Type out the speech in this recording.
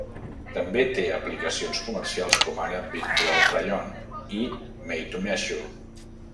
També té aplicacions comercials com ara "virtual-try on" i "made to measure".